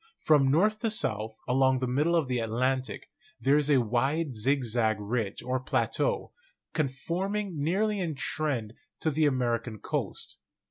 From north to south, along the middle of the Atlantic, there is a wide zigzag ridge or plateau, con forming nearly in trend to the American coast.